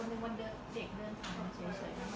สวัสดีครับ